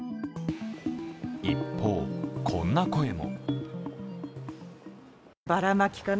一方、こんな声も。